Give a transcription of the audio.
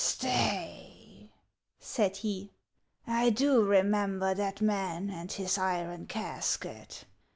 " Stay !" said he ; "I do remember that man and his iron casket.